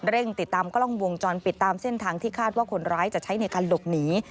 ติดตามกล้องวงจรปิดตามเส้นทางที่คาดว่าคนร้ายจะใช้ในการหลบหนี